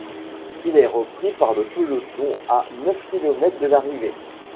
Il est repris par le peloton à neuf kilomètres de l'arrivée.